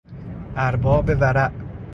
ارباب ورع